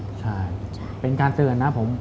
ใช่เป็นการเตือนนะผม